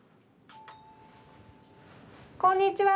こんにちは。